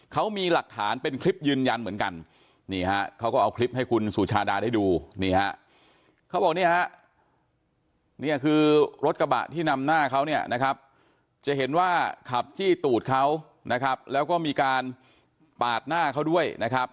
เค้ามีหลักฐานเป็นคลิปยืนยันเหมือนกันรถกระบะที่นำหน้าเค้าเขียนว่าขับไปจี่ตูดเค้าแล้วก็มีการปาดหน้าเค้าด้วย